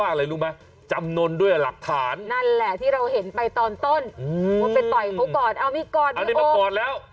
อันนี้มาก่อนแล้ว